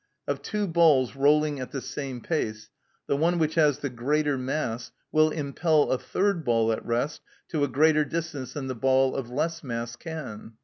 Of two balls rolling at the same pace, the one which has the greater mass will impel a third ball at rest to a greater distance than the ball of less mass can.